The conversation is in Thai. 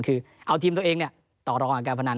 คือเอาทีมตัวเองต่อรองกับการพนัน